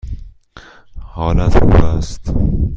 حالت خوب است؟